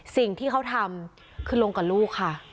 สิ่งที่เขาทำคือลงกับลูกค่ะ